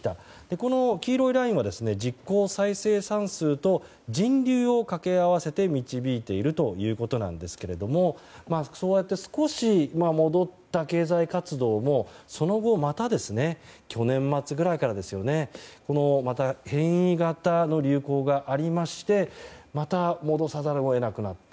この黄色いラインは実効再生産数と人流を掛け合わせて導いているということですがそうやって少し戻った経済活動も、その後また去年末ぐらいから変異型の流行がありましてまた戻さざるを得なくなった。